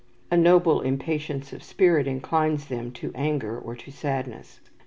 A noble impatience of spirit inclines them to anger or to sadness.